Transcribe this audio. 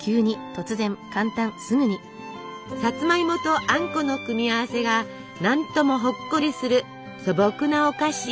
さつまいもとあんこの組み合わせが何ともほっこりする素朴なお菓子。